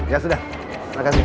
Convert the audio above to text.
ya sudah terima kasih